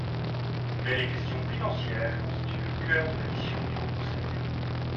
Mais les questions financières constituent le cœur de la mission du Haut conseil.